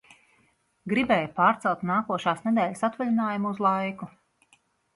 Gribēju pārcelt nākošās nedēļas atvaļinājumu uz laiku.